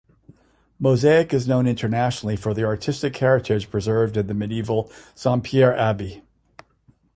Moissac is known internationally for the artistic heritage preserved in the medieval Saint-Pierre Abbey.